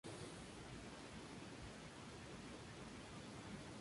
Llevaron sus restos en procesión.